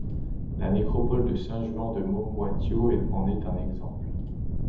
La nécropole de San Juan de Momoitio en est un exemple.